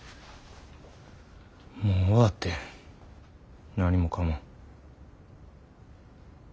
もう終わってん何もかも。